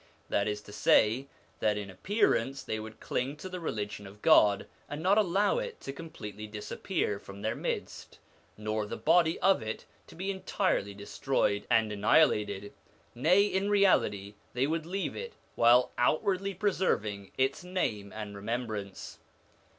That is to say, that in appearance they would cling to the Religion of God and not allow it to completely disappear from their midst, nor the body of it to be entirely destroyed and annihilated. Nay, in reality they would leave it, while outwardly preserving its name and remembrance.